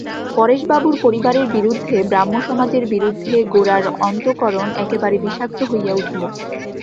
পরেশবাবুর পরিবারদের বিরুদ্ধে, ব্রাহ্মসমাজের বিরুদ্ধে, গোরার অন্তঃকরণ একেবারে বিষাক্ত হইয়া উঠিল।